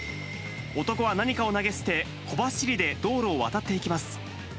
男は何かを投げ捨て、小走りで道路を渡っていきます。